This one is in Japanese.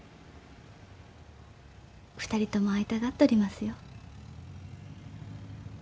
２人とも会いたがっとりますよ。